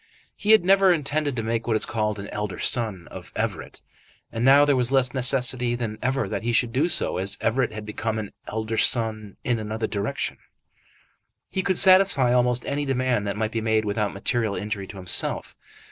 He had never intended to make what is called an elder son of Everett, and now there was less necessity than ever that he should do so, as Everett had become an elder son in another direction. He could satisfy almost any demand that might be made without material injury to himself.